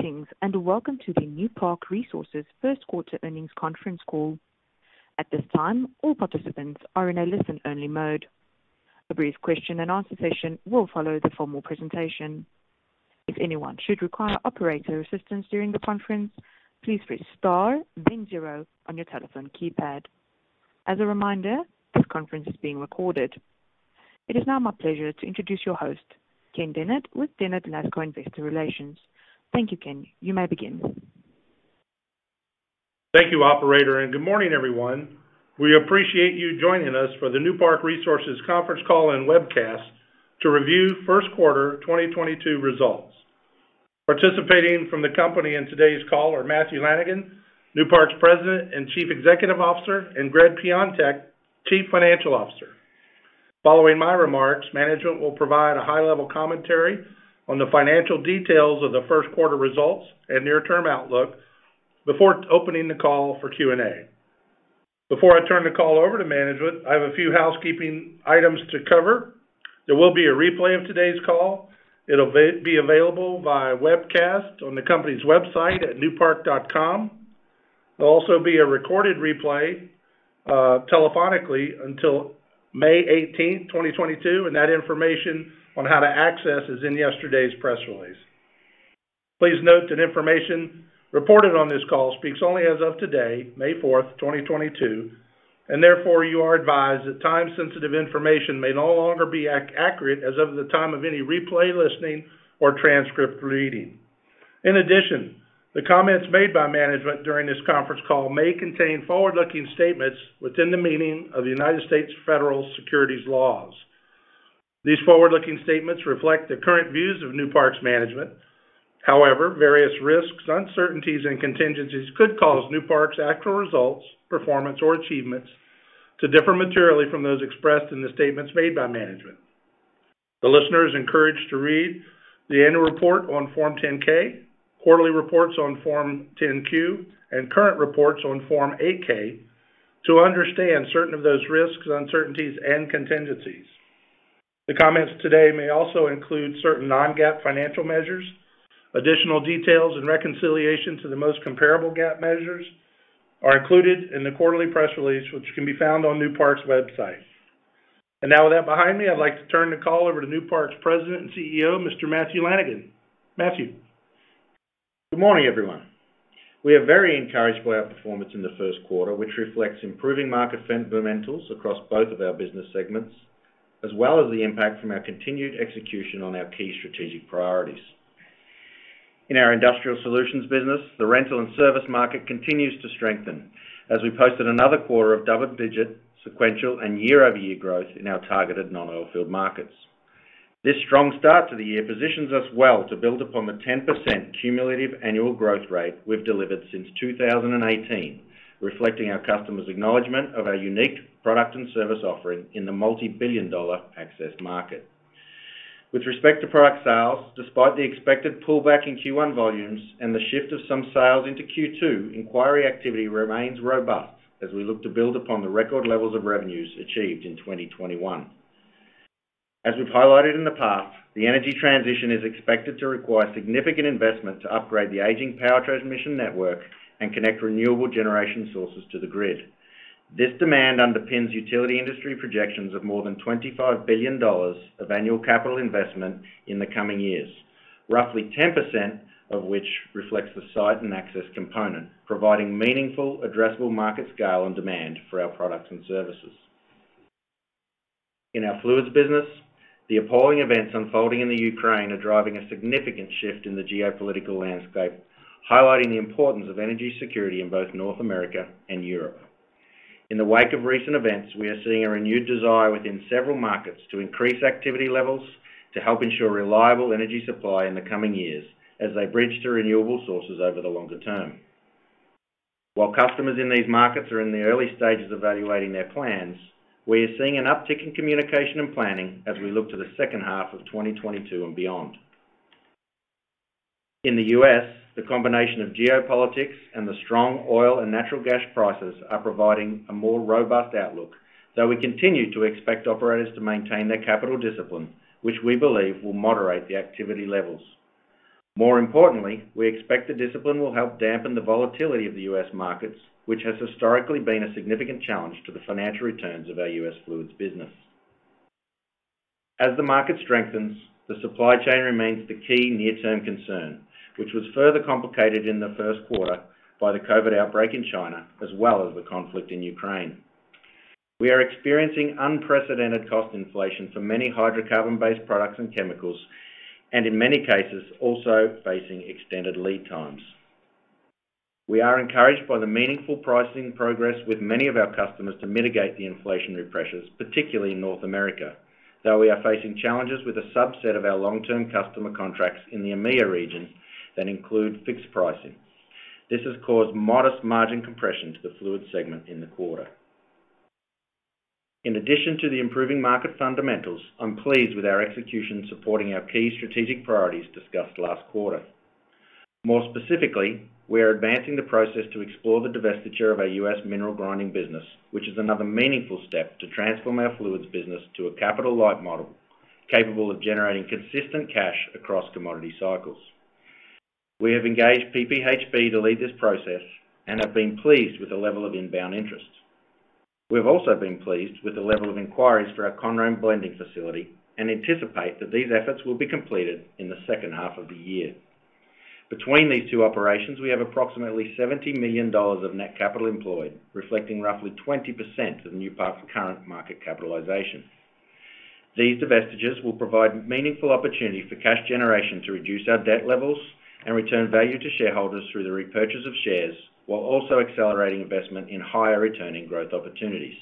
Greetings, and welcome to theNewpark first quarter earnings conference call. At this time, all participants are in a listen-only mode. A brief question and answer session will follow the formal presentation. If anyone should require operator assistance during the conference, please press star then zero on your telephone keypad. As a reminder, this conference is being recorded. It is now my pleasure to introduce your host, Ken Dennard with Dennard Lascar Investor Relations. Thank you, Ken. You may begin. Thank you, operator, and good morning, everyone. We appreciate you joining us for the Newparkl conference call and webcast to review first quarter 2022 results. Participating from the company in today's call are Matthew S. Lanigan, Newpark International's President and Chief Executive Officer, and Gregg Piontek, Chief Financial Officer. Following my remarks, management will provide a high-level commentary on the financial details of the first quarter results and near-term outlook before opening the call for Q&A. Before I turn the call over to management, I have a few housekeeping items to cover. There will be a replay of today's call. It'll be available via webcast on the company's website at newpark.com. There'll also be a recorded replay telephonically until May 18, 2022, and that information on how to access is in yesterday's press release. Please note that information reported on this call speaks only as of today, May 4th, 2022, and therefore, you are advised that time-sensitive information may no longer be accurate as of the time of any replay listening or transcript reading. In addition, the comments made by management during this conference call may contain forward-looking statements within the meaning of United States federal securities laws. These forward-looking statements reflect the current views of Newpark's management. However, various risks, uncertainties, and contingencies could cause Newpark's actual results, performance, or achievements to differ materially from those expressed in the statements made by management. The listener is encouraged to read the annual report on Form 10-K, quarterly reports on Form 10-Q, and current reports on Form 8-K to understand certain of those risks, uncertainties, and contingencies. The comments today may also include certain non-GAAP financial measures. Additional details and reconciliation to the most comparable GAAP measures are included in the quarterly press release, which can be found on Newpark's website. Now with that behind me, I'd like to turn the call over to Newpark's president and CEO, Mr. Matthew S. Lanigan. Matthew. Good morning, everyone. We are very encouraged by our performance in the first quarter, which reflects improving market fundamentals across both of our business segments as well as the impact from our continued execution on our key strategic priorities. In our Industrial Solutions business, the rental and service market continues to strengthen as we posted another quarter of double-digit sequential and year-over-year growth in our targeted non-oilfield markets. This strong start to the year positions us well to build upon the 10% cumulative annual growth rate we've delivered since 2018, reflecting our customers' acknowledgement of our unique product and service offering in the multi-billion-dollar access market. With respect to product sales, despite the expected pullback in Q1 volumes and the shift of some sales into Q2, inquiry activity remains robust as we look to build upon the record levels of revenues achieved in 2021. As we've highlighted in the past, the energy transition is expected to require significant investment to upgrade the aging power transmission network and connect renewable generation sources to the grid. This demand underpins utility industry projections of more than $25 billion of annual capital investment in the coming years, roughly 10% of which reflects the site and access component, providing meaningful addressable market scale and demand for our products and services. In our fluids business, the appalling events unfolding in the Ukraine are driving a significant shift in the geopolitical landscape, highlighting the importance of energy security in both North America and Europe. In the wake of recent events, we are seeing a renewed desire within several markets to increase activity levels to help ensure reliable energy supply in the coming years as they bridge to renewable sources over the longer term. While customers in these markets are in the early stages of evaluating their plans, we are seeing an uptick in communication and planning as we look to the second half of 2022 and beyond. In the U.S., the combination of geopolitics and the strong oil and natural gas prices are providing a more robust outlook, though we continue to expect operators to maintain their capital discipline, which we believe will moderate the activity levels. More importantly, we expect the discipline will help dampen the volatility of the U.S. markets, which has historically been a significant challenge to the financial returns of our U.S. fluids business. As the market strengthens, the supply chain remains the key near-term concern, which was further complicated in the first quarter by the COVID outbreak in China, as well as the conflict in Ukraine. We are experiencing unprecedented cost inflation for many hydrocarbon-based products and chemicals and in many cases also facing extended lead times. We are encouraged by the meaningful pricing progress with many of our customers to mitigate the inflationary pressures, particularly in North America, though we are facing challenges with a subset of our long-term customer contracts in the EMEIA region that include fixed pricing. This has caused modest margin compression to the fluid segment in the quarter. In addition to the improving market fundamentals, I'm pleased with our execution supporting our key strategic priorities discussed last quarter. More specifically, we are advancing the process to explore the divestiture of our U.S. mineral grinding business, which is another meaningful step to transform our fluids business to a capital-light model capable of generating consistent cash across commodity cycles. We have engaged PPHB to lead this process and have been pleased with the level of inbound interest. We have also been pleased with the level of inquiries for our Conroe blending facility and anticipate that these efforts will be completed in the second half of the year. Between these two operations, we have approximately $70 million of net capital employed, reflecting roughly 20% of the Newpark current market capitalization. These divestitures will provide meaningful opportunity for cash generation to reduce our debt levels and return value to shareholders through the repurchase of shares, while also accelerating investment in higher returning growth opportunities.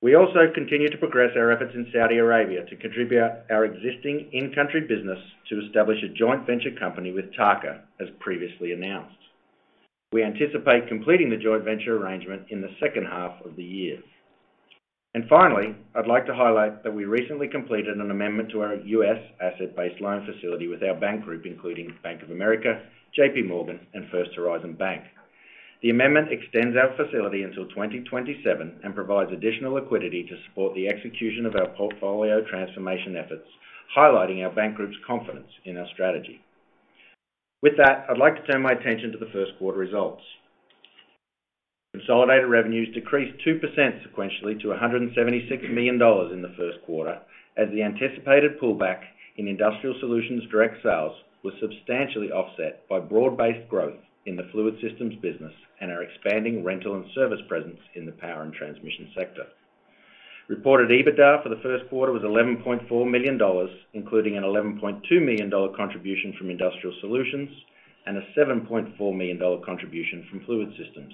We also continue to progress our efforts in Saudi Arabia to contribute our existing in-country business to establish a joint venture company with TAQA as previously announced. We anticipate completing the joint venture arrangement in the second half of the year. Finally, I'd like to highlight that we recently completed an amendment to our U.S. asset-based loan facility with our bank group, including Bank of America, JPMorgan, and First Horizon Bank. The amendment extends our facility until 2027 and provides additional liquidity to support the execution of our portfolio transformation efforts, highlighting our bank group's confidence in our strategy. With that, I'd like to turn my attention to the first quarter results. Consolidated revenues decreased 2% sequentially to $176 million in the first quarter, as the anticipated pullback in Industrial Solutions direct sales was substantially offset by broad-based growth in the Fluids Systems business and our expanding rental and service presence in the power and transmission sector. Reported EBITDA for the first quarter was $11.4 million, including an $11.2 million contribution from Industrial Solutions and a $7.4 million contribution from Fluids Systems.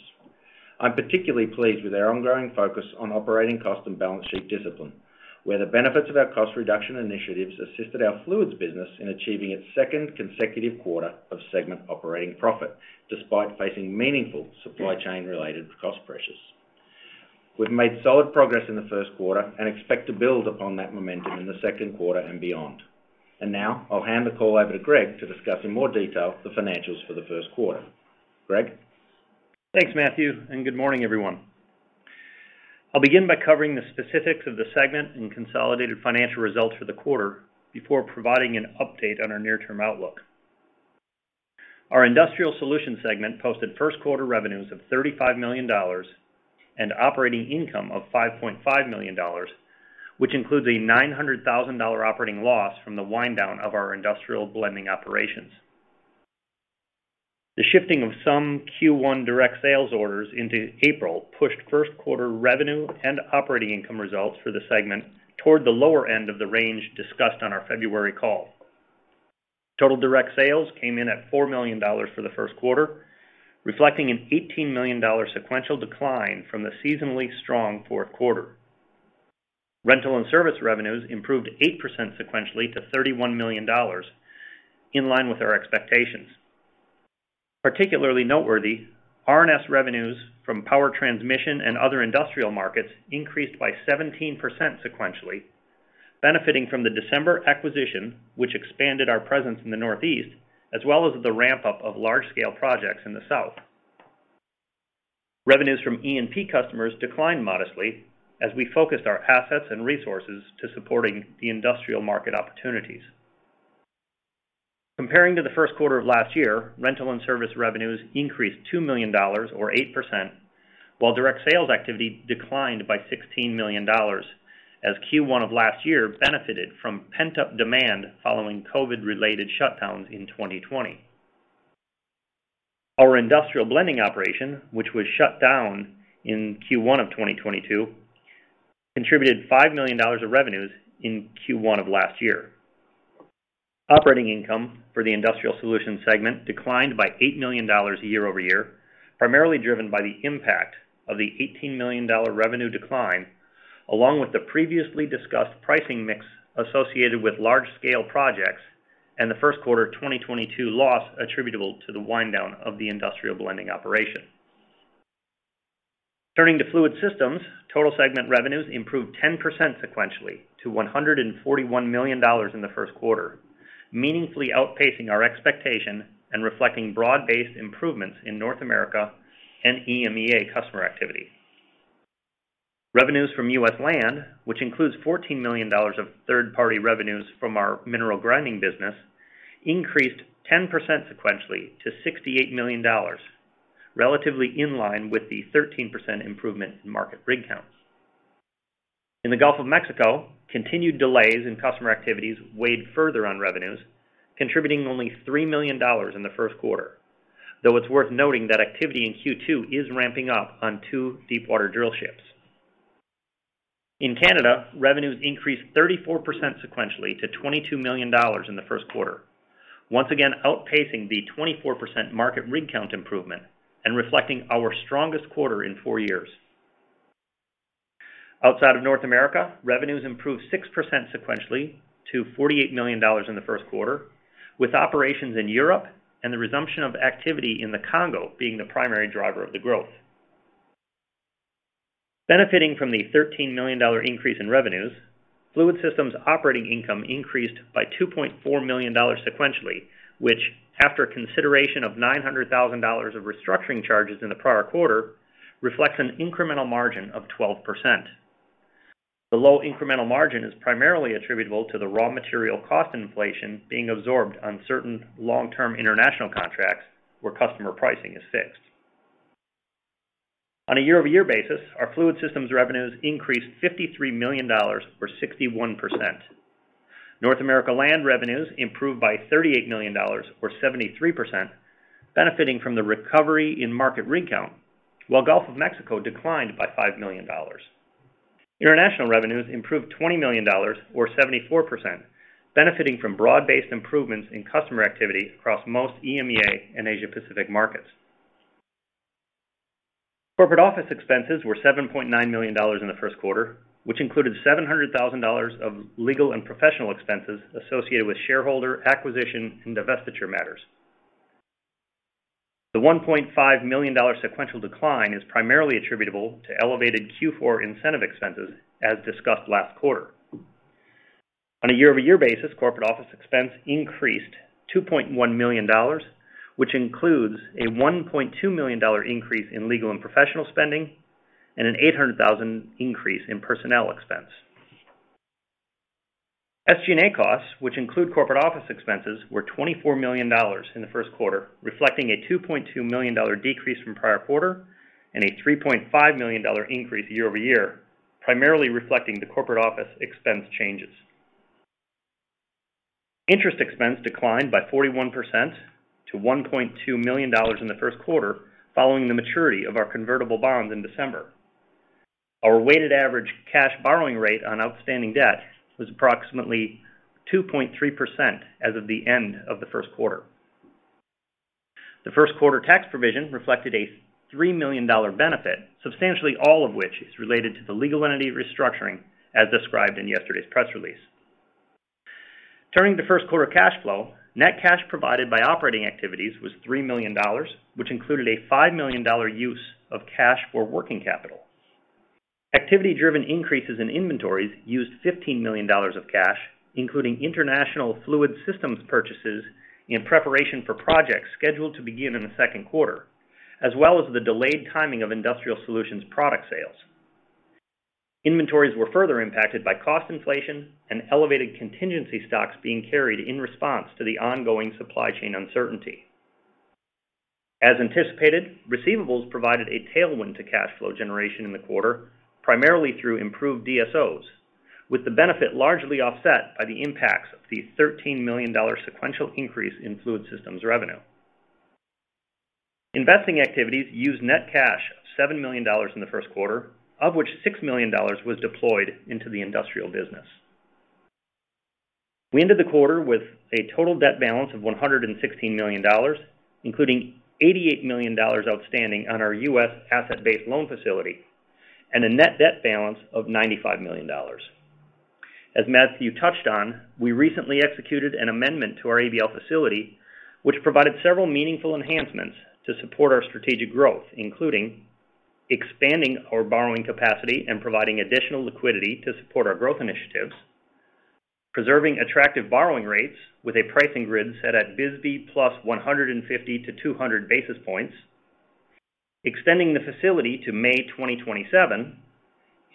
I'm particularly pleased with our ongoing focus on operating cost and balance sheet discipline, where the benefits of our cost reduction initiatives assisted our Fluids business in achieving its second consecutive quarter of segment operating profit despite facing meaningful supply chain related cost pressures. We've made solid progress in the first quarter and expect to build upon that momentum in the second quarter and beyond. Now I'll hand the call over to Gregg to discuss in more detail the financials for the first quarter. Gregg? Thanks, Matthew, and good morning, everyone. I'll begin by covering the specifics of the segment and consolidated financial results for the quarter before providing an update on our near-term outlook. Our Industrial Solutions segment posted first quarter revenues of $35 million and operating income of $5.5 million, which includes a $900,000 operating loss from the wind down of our industrial blending operations. The shifting of some Q1 direct sales orders into April pushed first quarter revenue and operating income results for the segment toward the lower end of the range discussed on our February call. Total direct sales came in at $4 million for the first quarter, reflecting an $18 million sequential decline from the seasonally strong fourth quarter. Rental and service revenues improved 8% sequentially to $31 million in line with our expectations. Particularly noteworthy, R&S revenues from power transmission and other industrial markets increased by 17% sequentially, benefiting from the December acquisition, which expanded our presence in the Northeast as well as the ramp-up of large-scale projects in the South. Revenues from E&P customers declined modestly as we focused our assets and resources to supporting the industrial market opportunities. Compared to the first quarter of last year, rental and service revenues increased $2 million or 8%, while direct sales activity declined by $16 million as Q1 of last year benefited from pent-up demand following COVID-related shutdowns in 2020. Our industrial blending operation, which was shut down in Q1 of 2022, contributed $5 million of revenues in Q1 of last year. Operating income for the Industrial Solutions segment declined by $8 million year-over-year, primarily driven by the impact of the $18 million revenue decline, along with the previously discussed pricing mix associated with large-scale projects and the first quarter 2022 loss attributable to the wind down of the industrial blending operation. Turning to Fluids Systems, total segment revenues improved 10% sequentially to $141 million in the first quarter, meaningfully outpacing our expectation and reflecting broad-based improvements in North America and EMEA customer activity. Revenues from U.S. land, which includes $14 million of third-party revenues from our mineral grinding business, increased 10% sequentially to $68 million, relatively in line with the 13% improvement in market rig counts. In the Gulf of Mexico, continued delays in customer activities weighed further on revenues, contributing only $3 million in the first quarter. Though it's worth noting that activity in Q2 is ramping up on two deep water drill ships. In Canada, revenues increased 34% sequentially to $22 million in the first quarter, once again outpacing the 24% market rig count improvement and reflecting our strongest quarter in four years. Outside of North America, revenues improved 6% sequentially to $48 million in the first quarter, with operations in Europe and the resumption of activity in the Congo being the primary driver of the growth. Benefiting from the $13 million increase in revenues, Fluids Systems operating income increased by $2.4 million sequentially, which, after consideration of $900,000 of restructuring charges in the prior quarter, reflects an incremental margin of 12%. The low incremental margin is primarily attributable to the raw material cost inflation being absorbed on certain long-term international contracts where customer pricing is fixed. On a year-over-year basis, our Fluids Systems revenues increased $53 million or 61%. North America land revenues improved by $38 million or 73%, benefiting from the recovery in market rig count, while Gulf of Mexico declined by $5 million. International revenues improved $20 million or 74%, benefiting from broad-based improvements in customer activity across most EMEA and Asia-Pacific markets. Corporate office expenses were $7.9 million in the first quarter, which included $700 thousand of legal and professional expenses associated with shareholder acquisition and divestiture matters. The $1.5 million sequential decline is primarily attributable to elevated Q4 incentive expenses, as discussed last quarter. On a year-over-year basis, corporate office expense increased $2.1 million, which includes a $1.2 million increase in legal and professional spending and an $800 thousand increase in personnel expense. SG&A costs, which include corporate office expenses, were $24 million in the first quarter, reflecting a $2.2 million decrease from prior quarter and a $3.5 million increase year over year, primarily reflecting the corporate office expense changes. Interest expense declined by 41% to $1.2 million in the first quarter following the maturity of our convertible bond in December. Our weighted average cash borrowing rate on outstanding debt was approximately 2.3% as of the end of the first quarter. The first quarter tax provision reflected a $3 million benefit, substantially all of which is related to the legal entity restructuring, as described in yesterday's press release. Turning to first quarter cash flow, net cash provided by operating activities was $3 million, which included a $5 million use of cash for working capital. Activity driven increases in inventories used $15 million of cash, including international Fluids Systems purchases in preparation for projects scheduled to begin in the second quarter, as well as the delayed timing of Industrial Solutions product sales. Inventories were further impacted by cost inflation and elevated contingency stocks being carried in response to the ongoing supply chain uncertainty. As anticipated, receivables provided a tailwind to cash flow generation in the quarter, primarily through improved DSOs, with the benefit largely offset by the impacts of the $13 million sequential increase in Fluid Systems revenue. Investing activities used net cash of $7 million in the first quarter, of which $6 million was deployed into the Industrial Solutions. We ended the quarter with a total debt balance of $116 million, including $88 million outstanding on our U.S. asset-based loan facility, and a net debt balance of $95 million. As Matthew touched on, we recently executed an amendment to our ABL facility, which provided several meaningful enhancements to support our strategic growth, including expanding our borrowing capacity and providing additional liquidity to support our growth initiatives, preserving attractive borrowing rates with a pricing grid set at BSBY plus 150 to 200 basis points, extending the facility to May 2027,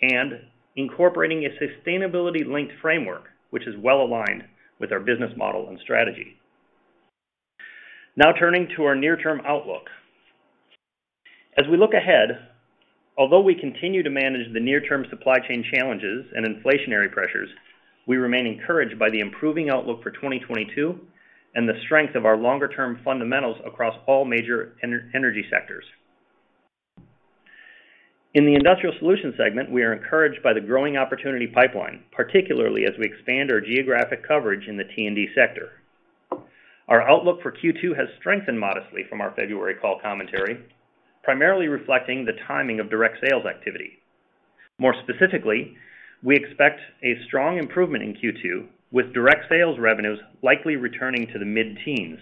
and incorporating a sustainability linked framework, which is well aligned with our business model and strategy. Now turning to our near-term outlook. As we look ahead, although we continue to manage the near-term supply chain challenges and inflationary pressures, we remain encouraged by the improving outlook for 2022 and the strength of our longer-term fundamentals across all major energy sectors. In the Industrial Solutions segment, we are encouraged by the growing opportunity pipeline, particularly as we expand our geographic coverage in the T&D sector. Our outlook for Q2 has strengthened modestly from our February call commentary, primarily reflecting the timing of direct sales activity. More specifically, we expect a strong improvement in Q2, with direct sales revenues likely returning to the mid-teens.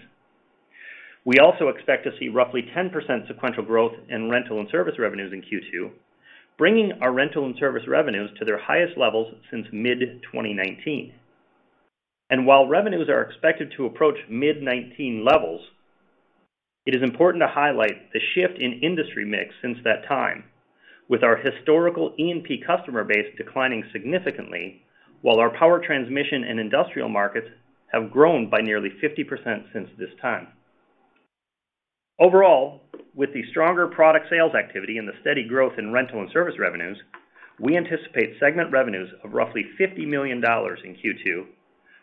We also expect to see roughly 10% sequential growth in rental and service revenues in Q2, bringing our rental and service revenues to their highest levels since mid-2019. While revenues are expected to approach mid-2019 levels, it is important to highlight the shift in industry mix since that time, with our historical E&P customer base declining significantly while our power transmission and industrial markets have grown by nearly 50% since this time. Overall, with the stronger product sales activity and the steady growth in rental and service revenues, we anticipate segment revenues of roughly $50 million in Q2,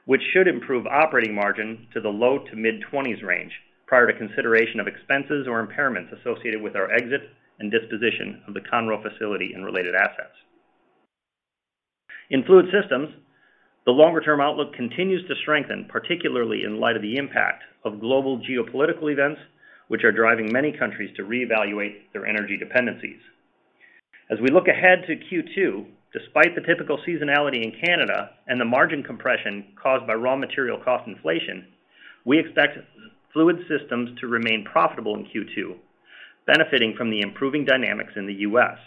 which should improve operating margin to the low- to mid-20s% range prior to consideration of expenses or impairments associated with our exit and disposition of the Conroe facility and related assets. In Fluid Systems, the longer-term outlook continues to strengthen, particularly in light of the impact of global geopolitical events, which are driving many countries to reevaluate their energy dependencies. As we look ahead to Q2, despite the typical seasonality in Canada and the margin compression caused by raw material cost inflation, we expect Fluid Systems to remain profitable in Q2, benefiting from the improving dynamics in the U.S.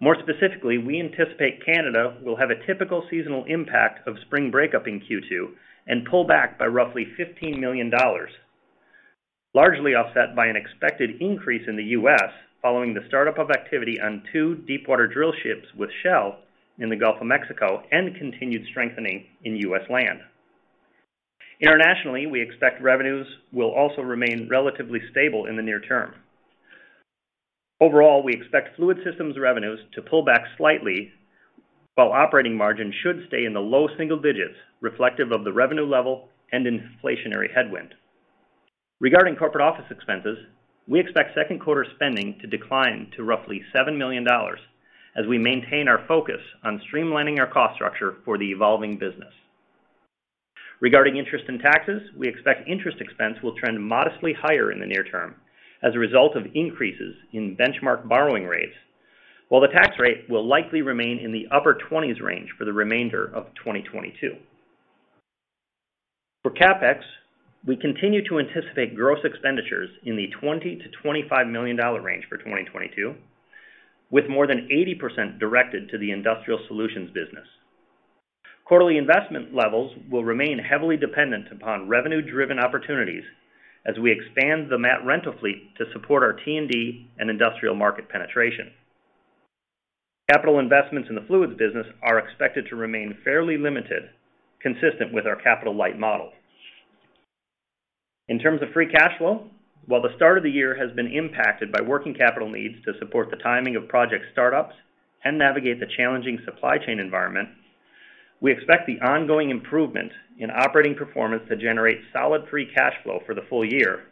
More specifically, we anticipate Canada will have a typical seasonal impact of spring breakup in Q2 and pull back by roughly $15 million. Largely offset by an expected increase in the U.S. following the startup of activity on two deepwater drill ships with Shell in the Gulf of Mexico and continued strengthening in U.S. land. Internationally, we expect revenues will also remain relatively stable in the near term. Overall, we expect Fluid Systems revenues to pull back slightly, while operating margin should stay in the low single digits, reflective of the revenue level and inflationary headwind. Regarding corporate office expenses, we expect second quarter spending to decline to roughly $7 million as we maintain our focus on streamlining our cost structure for the evolving business. Regarding interest and taxes, we expect interest expense will trend modestly higher in the near term as a result of increases in benchmark borrowing rates, while the tax rate will likely remain in the upper-20s% range for the remainder of 2022. For CapEx, we continue to anticipate gross expenditures in the $20-$25 million range for 2022, with more than 80% directed to the Industrial Solutions business. Quarterly investment levels will remain heavily dependent upon revenue-driven opportunities as we expand the mat rental fleet to support our T&D and industrial market penetration. Capital investments in the fluids business are expected to remain fairly limited, consistent with our capital-light model. In terms of free cash flow, while the start of the year has been impacted by working capital needs to support the timing of project startups and navigate the challenging supply chain environment, we expect the ongoing improvement in operating performance to generate solid free cash flow for the full year,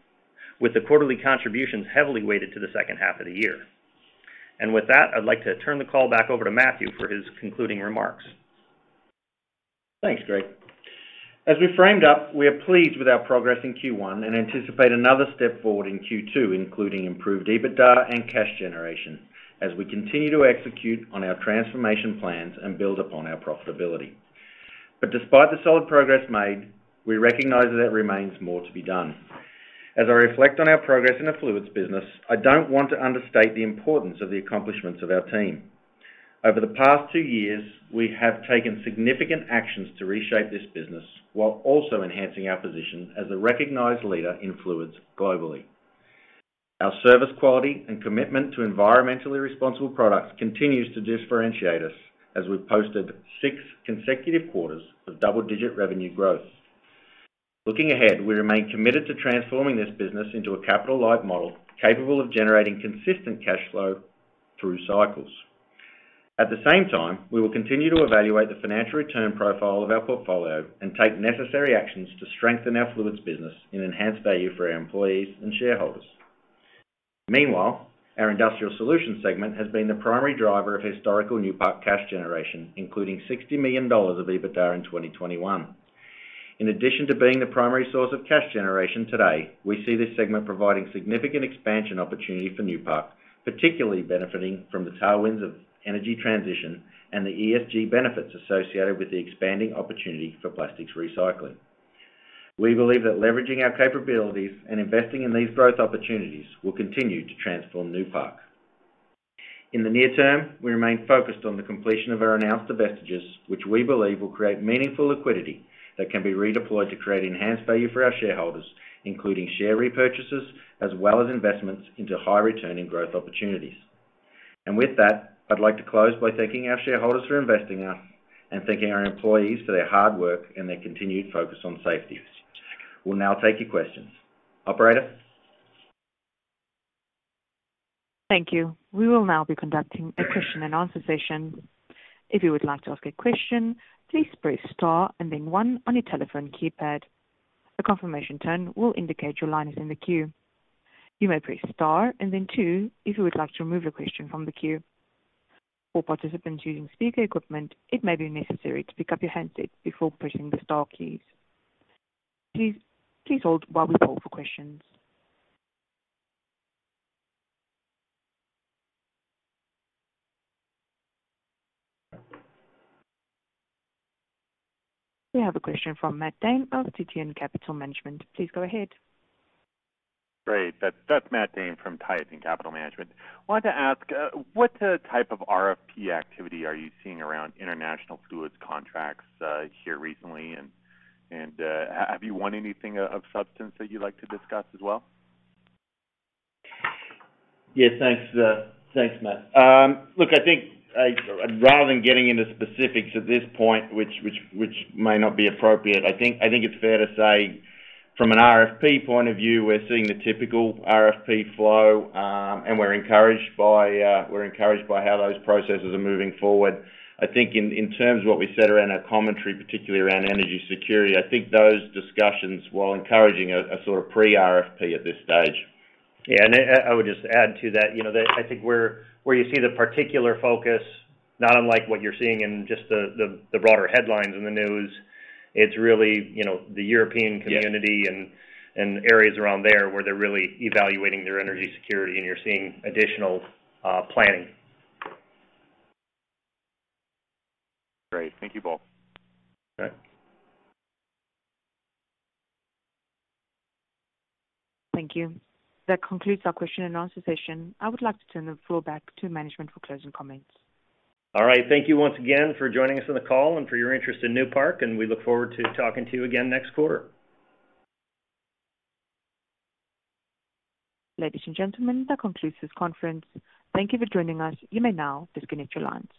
with the quarterly contributions heavily weighted to the second half of the year. With that, I'd like to turn the call back over to Matthew for his concluding remarks. Thanks, Gregg. As we framed up, we are pleased with our progress in Q1 and anticipate another step forward in Q2, including improved EBITDA and cash generation as we continue to execute on our transformation plans and build upon our profitability. Despite the solid progress made, we recognize that there remains more to be done. As I reflect on our progress in the fluids business, I don't want to understate the importance of the accomplishments of our team. Over the past two years, we have taken significant actions to reshape this business while also enhancing our position as a recognized leader in fluids globally. Our service quality and commitment to environmentally responsible products continues to differentiate us as we've posted six consecutive quarters of double-digit revenue growth. Looking ahead, we remain committed to transforming this business into a capital-light model capable of generating consistent cash flow through cycles. At the same time, we will continue to evaluate the financial return profile of our portfolio and take necessary actions to strengthen our fluids business and enhance value for our employees and shareholders. Meanwhile, our industrial solutions segment has been the primary driver of historical Newpark cash generation, including $60 million of EBITDA in 2021. In addition to being the primary source of cash generation today, we see this segment providing significant expansion opportunity for Newpark, particularly benefiting from the tailwinds of energy transition and the ESG benefits associated with the expanding opportunity for plastics recycling. We believe that leveraging our capabilities and investing in these growth opportunities will continue to transform Newpark. In the near term, we remain focused on the completion of our announced divestitures, which we believe will create meaningful liquidity that can be redeployed to create enhanced value for our shareholders, including share repurchases, as well as investments into high returning growth opportunities. With that, I'd like to close by thanking our shareholders for investing in us and thanking our employees for their hard work and their continued focus on safety. We'll now take your questions. Operator? Thank you. We will now be conducting a question and answer session. If you would like to ask a question, please press star and then one on your telephone keypad. A confirmation tone will indicate your line is in the queue. You may press star and then two if you would like to remove your question from the queue. For participants using speaker equipment, it may be necessary to pick up your handset before pushing the star keys. Please hold while we call for questions. We have a question from Matt Dame of Titan Capital Management. Please go ahead. Great. That's Matt Dame from Titan Capital Management. Wanted to ask what type of RFP activity are you seeing around international fluids contracts here recently? Have you won anything of substance that you'd like to discuss as well? Yeah, thanks, Matt. Look, I think rather than getting into specifics at this point, which may not be appropriate, I think it's fair to say from an RFP point of view, we're seeing the typical RFP flow, and we're encouraged by how those processes are moving forward. I think in terms of what we said around our commentary, particularly around energy security, I think those discussions, while encouraging, are sort of pre-RFP at this stage. Yeah, I would just add to that, you know, that I think where you see the particular focus, not unlike what you're seeing in just the broader headlines in the news, it's really, you know, the European community. Yeah. areas around there where they're really evaluating their energy security and you're seeing additional planning. Great. Thank you both. Okay. Thank you. That concludes our question and answer session. I would like to turn the floor back to management for closing comments. All right. Thank you once again for joining us on the call and for your interest in Newpark, and we look forward to talking to you again next quarter. Ladies and gentlemen, that concludes this conference. Thank you for joining us. You may now disconnect your lines.